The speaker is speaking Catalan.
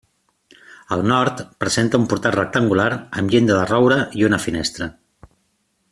Al nord presenta un portal rectangular amb llinda de roure i una finestra.